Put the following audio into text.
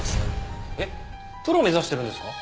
えっプロ目指してるんですか？